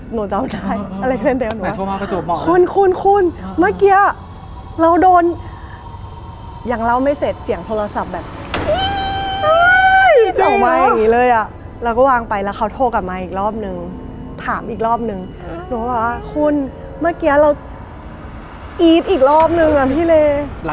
หนูจำได้อเล็กซ์เรนเดล